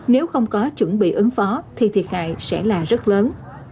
nếu không có chuẩn bị ứng phó thì thiệt hại sẽ là rất lớn